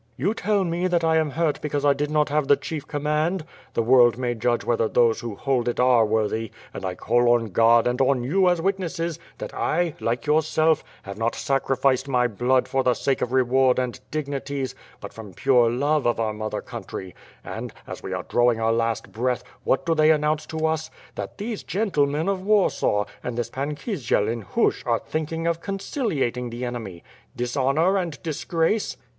You tell me that I am hurt because I did not have the chief command. The world may judge whether those who hold it are worthy, and I call on God and on you as witnesses, that I, like yourself, have not sacrificed my blood for the sake of reward and dignities, but from pure love of our mother country; and, as we are drawing our last breath, what do they announce to us — that these gentlemen of Warsaw and this Pan Kisiel in Hushch are thinking of conciliating the enemy. Dishonor and dis grace?"